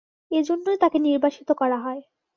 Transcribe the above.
এজন্যই তাকে নির্বাসিত করা হয়।